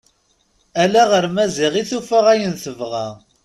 Ala ɣer Maziɣ i tufa ayen tebɣa.